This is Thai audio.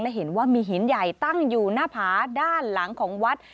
และเห็นว่ามีหินใหญ่ตั้งอยู่หน้าผาด้านหลังของวัด